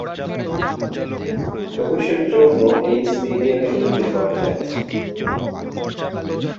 প্রবেশের জন্য এ স্টেডিয়ামে তিনটি দরজা আছে।